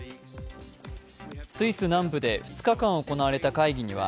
スイス南部で２日間行われた会議には